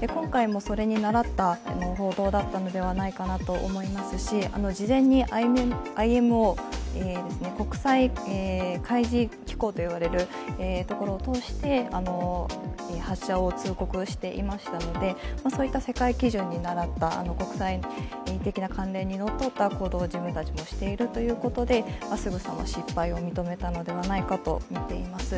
今回もそれにならった報道だったのではないかなと思いますし、事前にＩＭＯ＝国際海事機関といわれるところを通して発射を通告していましたので世界基準にならった国際的な慣例にのっとった行動を自分たちもしているということですぐさま失敗を認めたのではないかとみています。